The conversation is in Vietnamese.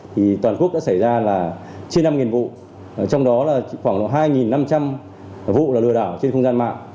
thì toàn quốc đã xảy ra là trên năm vụ trong đó là khoảng hai năm trăm linh vụ là lừa đảo trên không gian mạng